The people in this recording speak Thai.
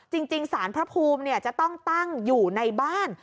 จริงสารพระภูมิจะต้องตั้งอยู่ในบ้าน